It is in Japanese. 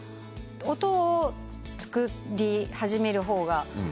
音を作り始める方が楽ですか？